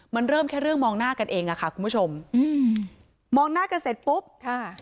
มันเริ่มแค่เรื่องมองหน้ากันเองอะค่ะคุณผู้ชมอืมมองหน้ากันเสร็จปุ๊บค่ะ